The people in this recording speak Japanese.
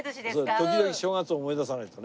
時々正月を思い出さないとね。